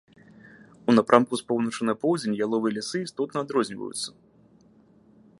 У напрамку з поўначы на поўдзень яловыя лясы істотна адрозніваюцца.